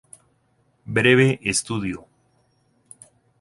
Breve estudio".